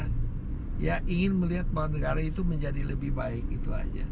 kepada negara ya ingin melihat bahwa negara itu menjadi lebih baik itu aja